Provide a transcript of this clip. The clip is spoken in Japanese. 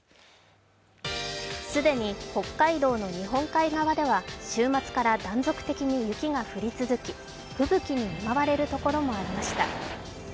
既に北海道の日本海側では週末から断続的に雪が降り続き吹雪に見舞われるところもありました。